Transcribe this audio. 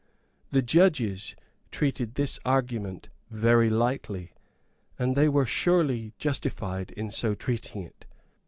The judges treated this argument very lightly; and they were surely justified in so treating it.